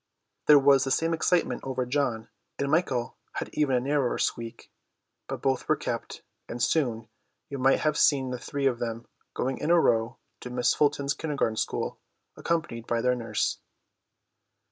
There was the same excitement over John, and Michael had even a narrower squeak; but both were kept, and soon, you might have seen the three of them going in a row to Miss Fulsom's Kindergarten school, accompanied by their nurse.